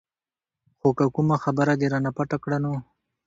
خو که کومه خبره دې رانه پټه کړه نو.